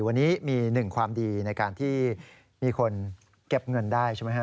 วันนี้มีหนึ่งความดีในการที่มีคนเก็บเงินได้ใช่ไหมฮะ